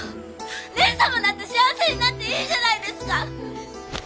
蓮様だって幸せになっていいじゃないですか！